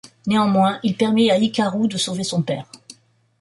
Néanmoins, il permet à Hikaru de sauver son père.